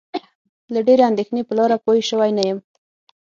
له ډېرې اندېښنې په لاره پوی شوی نه یم.